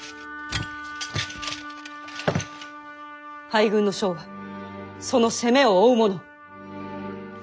敗軍の将はその責めを負うもの。